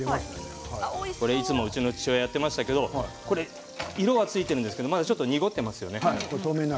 これいつもうちの父親がやってましたけれども色がついているんですけれどもまだ濁っていますよね。